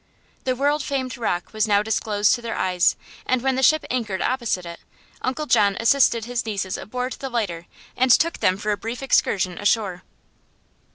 The world famed rock was now disclosed to their eyes, and when the ship anchored opposite it Uncle John assisted his nieces aboard the lighter and took them for a brief excursion ashore.